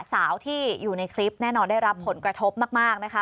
สาวที่อยู่ในคลิปแน่นอนได้รับผลกระทบมากนะคะ